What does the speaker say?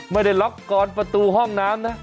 ไม่ได้ล็อกกอนประตูห้องน้ำนะ